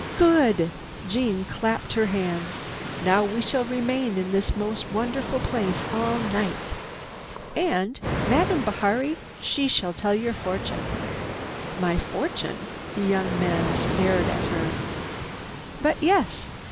"Good!" Jeanne clapped her hands. "Now we shall remain in this most wonderful place all night. And Madame Bihari, she shall tell your fortune." "My fortune?" The young man stared at her. "But yes!"